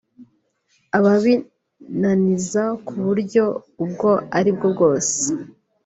ababinaniza ku buryo ubwo ari bwo bwose